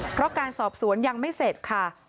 เพราะการสอบสวนยังไม่เสร็จค่ะ